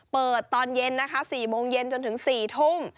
เปิดตอนเย็นนะคะ๔โมงเย็นจนถึง๔ทุ่ม